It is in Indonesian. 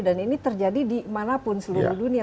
dan ini terjadi dimanapun seluruh dunia